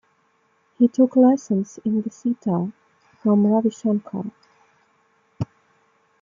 He took lessons in the sitar from Ravi Shankar.